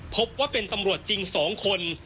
พบว่าเป็นตำรวจจริง๒คน